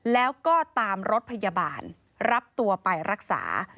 แล้วก็ตามรถพยาบาลรับตัวไปรักษา